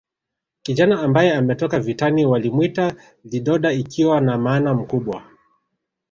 Kijana ambaye ametoka vitani walimwita lidoda ikiwa na maana mkubwa